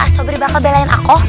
sobri bakal belain aku